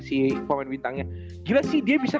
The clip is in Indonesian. si pemain bintangnya gimana sih dia bisa